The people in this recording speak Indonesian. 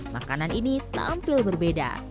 makanan ini tampil berbeda